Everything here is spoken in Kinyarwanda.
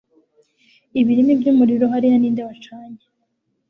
ibirimi by'umuriro hariya Ninde wacanye